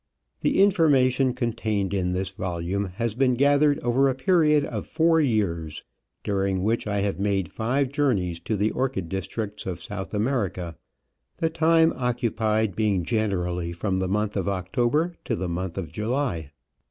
The information contained in this volume has been gathered over a period of four years, during which I have made five journeys to the orchid districts of South America, the time Digitized by VjOOQIC viii Preface. occupied being generally from the month of October to the month of July.